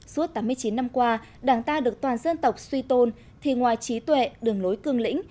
suốt tám mươi chín năm qua đảng ta được toàn dân tộc suy tôn thì ngoài trí tuệ đường lối cương lĩnh